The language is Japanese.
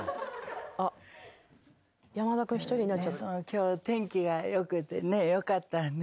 今日天気がよくてねよかったね。